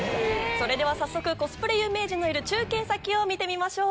それではコスプレ有名人のいる中継先を見てみましょう。